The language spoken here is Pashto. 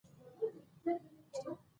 فاریاب د افغانستان طبعي ثروت دی.